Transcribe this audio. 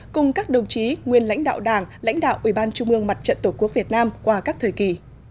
cùng các đồng chí nguyên lãnh đạo đảng lãnh đạo ủy ban trung ương mặt trận tổ quốc việt nam qua các thời kỳ